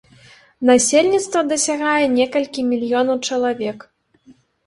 Насельніцтва дасягае некалькі мільёнаў чалавек.